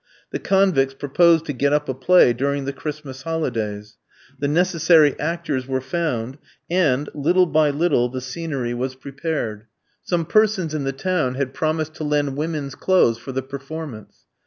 The convicts proposed to get up a play during the Christmas holidays. The necessary actors were found, and, little by little, the scenery was prepared. Some persons in the town had promised to lend women's clothes for the performance.